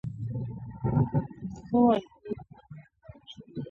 ياره خلک خپل اولاد دومره نه نازوي.